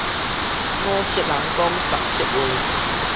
五色人講十色話